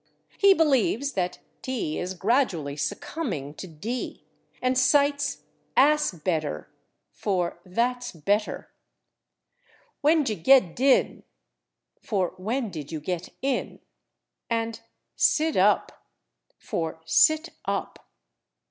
He believes that /t/ is gradually succumbing to /d/, and cites "ass bedder" (for "that's better"), "wen juh ged din?" (for "when did you get in?"), and "siddup" (for "sit up").